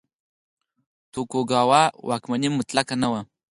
توکوګاوا واکمني مطلقه نه وه.